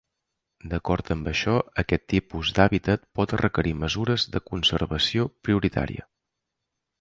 D’acord amb això, aquest tipus d’hàbitat pot requerir mesures de conservació prioritària.